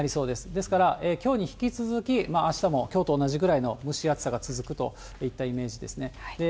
ですから、きょうに引き続き、あしたもきょうと同じぐらいの蒸し暑さが続くといったイメージですね。